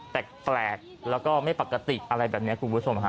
แปลกแล้วก็ไม่ปกติอะไรแบบนี้คุณผู้ชมฮะ